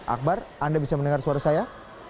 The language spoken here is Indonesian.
akbar anda bisa mendengar suara saya